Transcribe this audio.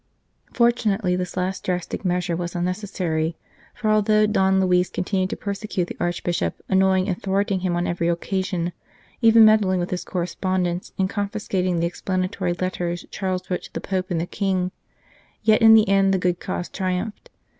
Fortunately, this last drastic measure was no " Another Ambrose " unnecessary ; for although Don Luis continued to persecute the Archbishop, annoying and thwarting him on every occasion, even meddling with his correspondence, and confiscating the explanatory letters Charles wrote to the Pope and the King, yet in the end the good cause triumphed.